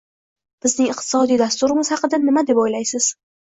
- Bizning iqtisodiy dasturimiz haqida nima deb o'ylaysiz?